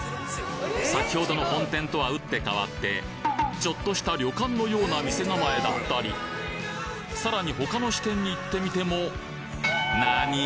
先ほどの本店とはうってかわってちょっとした旅館のような店構えだったりさらに他の支店に行ってみても何！